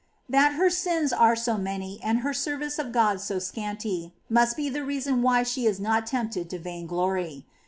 23. That her sins are so many, and her service of God so scanty, must be the reason why she is not tempted to vain glory.